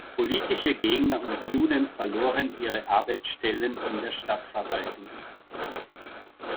Politische Gegner und Juden verloren ihre Arbeitsstellen in der Stadtverwaltung.